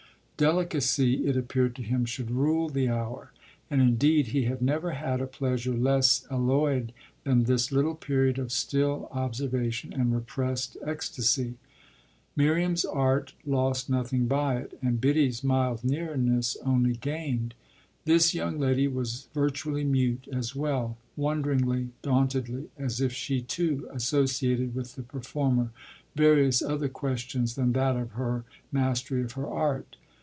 Delicacy, it appeared to him, should rule the hour; and indeed he had never had a pleasure less alloyed than this little period of still observation and repressed ecstasy. Miriam's art lost nothing by it, and Biddy's mild nearness only gained. This young lady was virtually mute as well wonderingly, dauntedly, as if she too associated with the performer various other questions than that of her mastery of her art.